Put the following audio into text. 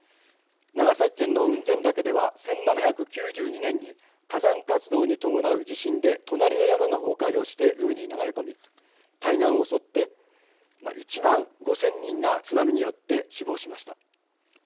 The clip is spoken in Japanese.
長崎県の雲仙岳では１７９２年に火山活動に伴う地震で隣の山が崩壊をして海に流れ込み対岸を襲って１万５０００人が津波によって死亡しました。